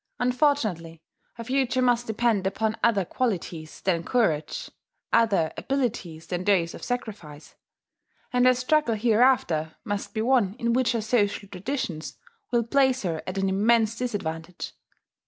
Unfortunately her future must depend upon other qualities than courage, other abilities than those of sacrifice; and her struggle hereafter must be one in which her social traditions will place her at an immense disadvantage.